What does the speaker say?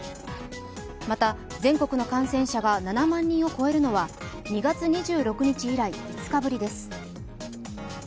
また、全国の感染者が７万人を超えるのは２月２６日以来５日ぶりです。